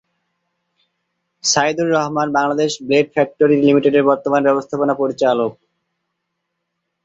Saidur Rahman Bangladesh blade factory লিমিটেডের বর্তমান ব্যবস্থাপনা পরিচালক।